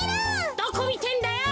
どこみてんだよ！